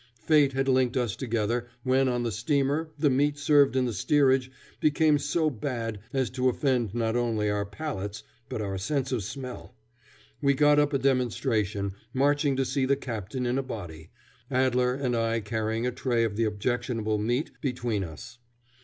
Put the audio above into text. Fate had linked us together when on the steamer the meat served in the steerage became so bad as to offend not only our palates, but our sense of smell. We got up a demonstration, marching to see the captain in a body, Adler and I carrying a tray of the objectionable meat between us.